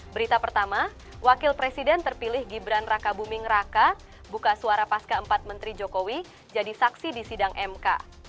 berita pertama wakil presiden terpilih gibran raka buming raka buka suara pas keempat menteri jokowi jadi saksi di sidang mk